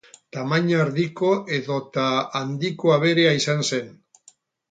Tamaina erdiko edota handiko aberea izan zen.